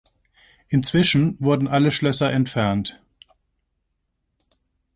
Inzwischen wurden alle Schlösser entfernt.